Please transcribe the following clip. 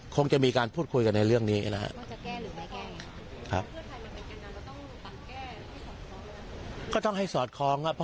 คงจะมีการพูดคุยกันในเรื่องนี้นะครับ